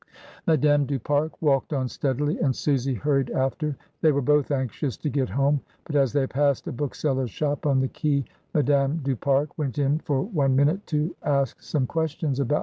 Madame du Pare walked on steadily, and Susy hurried after. They were both anxious to get home, but as they passed a bookseller's shop on the quai, Madame du Pare went in for one minute to ask some questions about M.